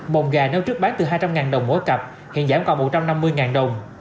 mồng gà nếu trước bán từ hai trăm linh đồng mỗi cặp hiện giảm còn một trăm năm mươi đồng